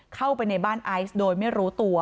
เข้าไปในบ้านไอซ์โดยไม่รู้ตัว